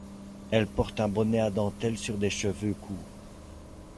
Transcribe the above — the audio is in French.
Elle porte un bonnet à dentelle, sur des cheveux courts.